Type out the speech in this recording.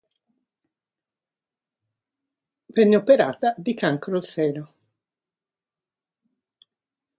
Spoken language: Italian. Venne operata di cancro al seno.